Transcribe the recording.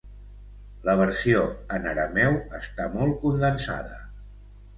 La versió en arameu està molt condensada.